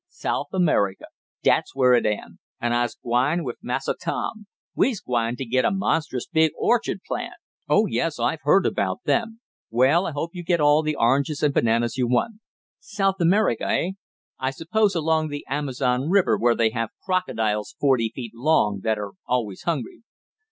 "South America, dat's where it am, an' I's gwine wif Massa Tom. We's gwine t' git a monstrous big orchard plant." "Oh, yes; I've heard about them. Well, I hope you get all the oranges and bananas you want. South America, eh? I suppose along the Amazon river, where they have crocodiles forty feet long, that are always hungry."